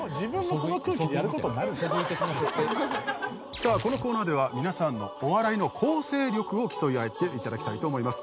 さあこのコーナーでは皆さんのお笑いの構成力を競い合っていただきたいと思います。